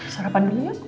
sarapan dulu ya